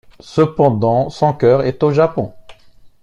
Cependant son cœur est au Japon.